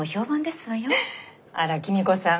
あら公子さん